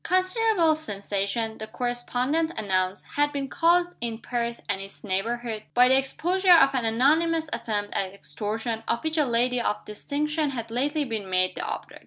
Considerable sensation (the correspondent announced) had been caused in Perth and its neighborhood, by the exposure of an anonymous attempt at extortion, of which a lady of distinction had lately been made the object.